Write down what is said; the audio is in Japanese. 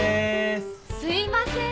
すいません。